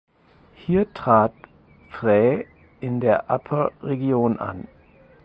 Hier trat Phrae in der Upper Region an.